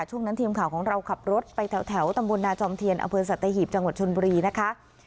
ช่วงนั้นทีมข่าวของเราขับรถไปแถวตำบลนาจอมเทียนอำเภอสัตหีบจังหวัดชนบุรีนะคะ